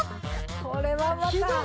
これはまた。